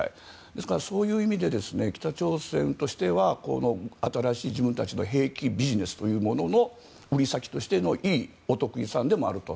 そういう意味で北朝鮮としては新しい自分たちの兵器ビジネスというものの売り先としてのいいお得意さんでもあると。